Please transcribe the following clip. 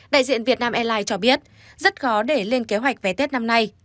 đại diện việt nam airlines cho biết rất khó để lên kế hoạch vé tết năm nay